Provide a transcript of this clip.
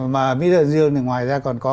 mà mỹ thật đông dương thì ngoài ra còn có